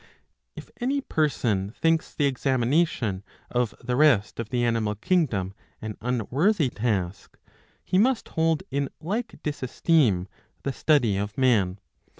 If any person thinks the examination of the rest of the animal kingdom an unworthy task, he must hold in like disesteem the study of man.